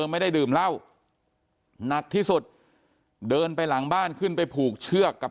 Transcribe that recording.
ไม่ได้ดื่มเหล้าหนักที่สุดเดินไปหลังบ้านขึ้นไปผูกเชือกกับ